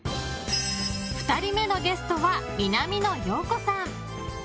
２人目のゲストは南野陽子さん。